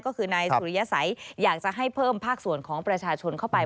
ก็คือนายสุริยสัยอยากจะให้เพิ่มภาคส่วนของประชาชนเข้าไป